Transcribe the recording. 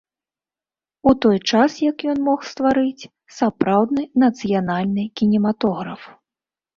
У той час як ён мог стварыць сапраўдны нацыянальны кінематограф.